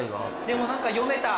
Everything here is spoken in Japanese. でも何か読めた。